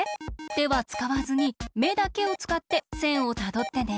てはつかわずにめだけをつかってせんをたどってね。